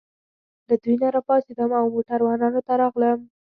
له دوی نه راپاڅېدم او موټروانانو ته راغلم.